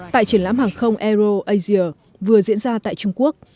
tại triển lãm hàng không aeroasia vừa diễn ra tại trung quốc